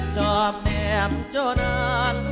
จอบแหม่มเจ้านาน